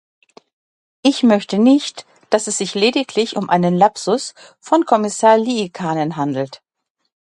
Ich möchte nicht, dass es sich lediglich um einen Lapsus von Kommissar Liikanen handelt.